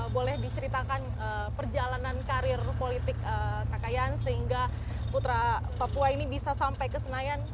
boleh diceritakan perjalanan karir politik kakek sehingga putra papua ini bisa sampai ke senayan